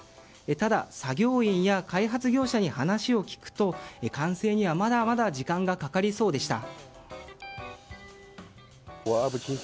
ただ、作業員や開発業者に話を聞くと完成にはまだまだ時間がかかりそうでした。